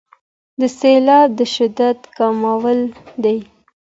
د سیلاب د شدت کمول دي.